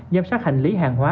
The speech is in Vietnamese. giám sát hành lý hàng hóa